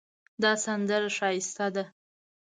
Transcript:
دا سندره ښایسته ده